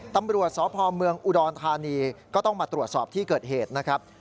ตำรวจสพเมืองอุดรธานีก็ต้องมาตรวจสอบที่เกิดเหตุนะครับ